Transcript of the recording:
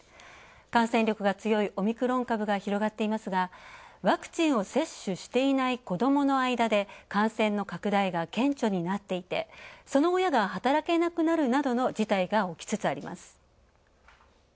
感染力が強いオミクロン株が広がっていますが、ワクチンを接種していない子どもの間で感染の拡大が顕著になっていて、その親が働けなくなるなどの事態が起きつつあります。